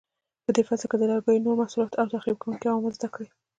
په دې فصل کې د لرګیو نور محصولات او تخریب کوونکي عوامل زده کړئ.